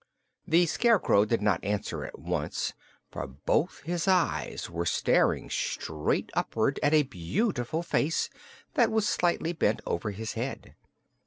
The Scarecrow did not answer at once, for both his eyes were staring straight upward at a beautiful face that was slightly bent over his head.